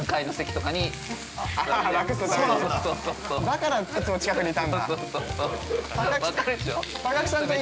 ◆だからいつも近くにいたんだ。